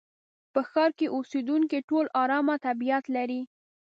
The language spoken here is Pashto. په ښار کې اوسېدونکي ټول ارامه طبيعت لري.